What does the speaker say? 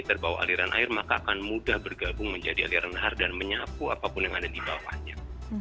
terbawa aliran air maka akan mudah bergabung menjadi aliran lahar dan menyapu apapun yang ada di bawahnya